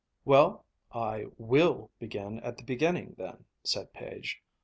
"Well, I will begin at the beginning, then," said Page.